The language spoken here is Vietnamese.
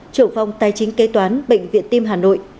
trưởng phòng tài chính kế toán bệnh viện tim hà nội